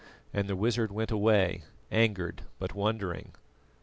And the wizard went away angered but wondering.